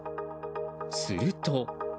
すると。